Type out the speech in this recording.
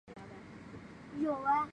早期的大环道是由马头围道。